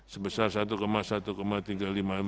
sebesar satu satu tiga puluh lima m